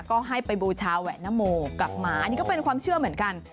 ก็ให้ไปบูชาแหวนนโมกับหมาอันนี้ก็เป็นความเชื่อเหมือนกัน